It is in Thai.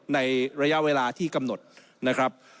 ในระยะเวลาที่กำหนดนะครับ